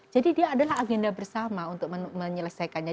jadi dia adalah agenda bersama untuk menyelesaikannya